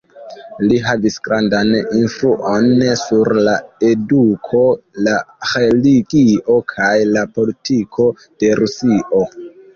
Li havis grandan influon sur la eduko, la religio kaj la politiko de Rusio.